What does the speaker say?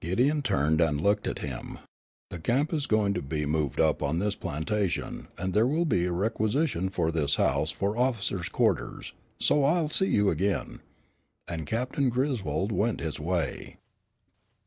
Gideon turned and looked at him. "The camp is going to be moved up on this plantation, and there will be a requisition for this house for officers' quarters, so I'll see you again," and Captain Griswold went his way.